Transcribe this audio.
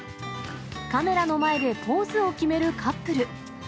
カメラの前でポーズを決めるカップル。